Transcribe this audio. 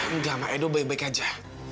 enggak mak edo baik baik aja